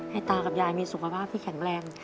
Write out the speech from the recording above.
ตากับยายมีสุขภาพที่แข็งแรง